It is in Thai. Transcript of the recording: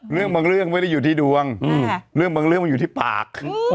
เรื่องบางเรื่องไม่ได้อยู่ที่ดวงเรื่องบางเรื่องมันอยู่ที่ปาก